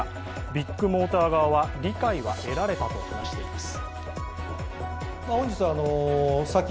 ビッグモーター側は理解は得られたと話しています。